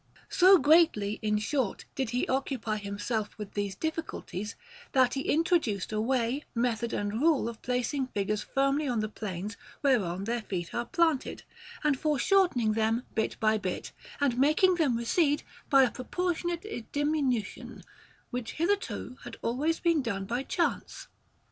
So greatly, in short, did he occupy himself with these difficulties, that he introduced a way, method, and rule of placing figures firmly on the planes whereon their feet are planted, and foreshortening them bit by bit, and making them recede by a proportionate diminution; which hitherto had always been done by chance.